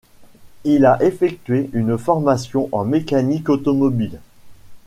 Il a effectué une formation en mécanique automobile.